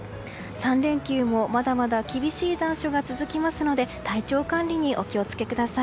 ３連休も、まだまだ厳しい残暑が続きますので体調管理にお気を付けください。